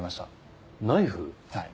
はい。